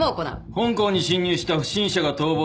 本校に侵入した不審者が逃亡する際